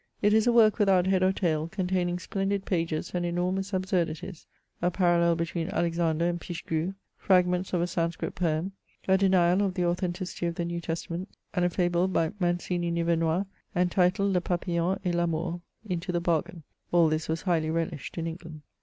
It is a work without head or tail, containing splendid pages and enormous absurdities — a parallel between Alexander and Pichegru, fragments of a Sanscrit poem, a denial of the authenticity of the New Testament, and a fable by Mancini Nivemois, entitled Le Papillon et l' Amour, into the bargain. All this was highly relished in England.